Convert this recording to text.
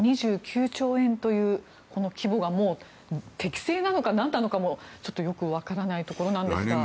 ２９兆円という規模がもう適正なのか何なのかもちょっとよくわからないところですが。